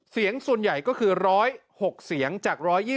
เสียงส่วนใหญ่ก็คือ๑๐๖เสียงจาก๑๒๐